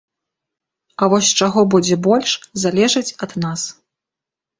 А вось чаго будзе больш, залежыць ад нас.